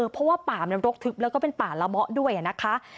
เพราะว่าป่ามันรกทึบแล้วก็เป็นป่าละเมาะด้วยนะคะ